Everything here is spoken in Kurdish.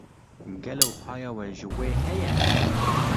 Gelo haya we ji we heye?